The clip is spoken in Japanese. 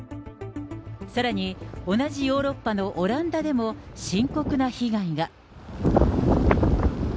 さらに同じヨーロッパのオランダでも深刻な被害が。